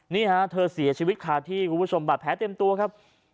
นี่ฮะเธอเสียชีวิตคาที่คุณผู้ชมบาดแผลเต็มตัวครับ